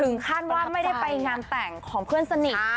คาดว่าไม่ได้ไปงานแต่งของเพื่อนสนิท